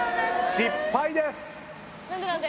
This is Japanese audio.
失敗です。